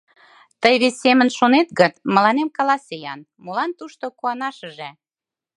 — Тый вес семын шонет гын, мыланем каласе-ян, молан тушто куанашыже?